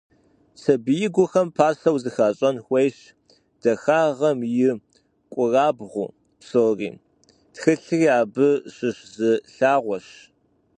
Сабиигухэм пасэу зыхащӏэн хуейщ дахагъэм и кӏуэрабгъу псори, тхылъри абы щыщ зы лъагъуэщ.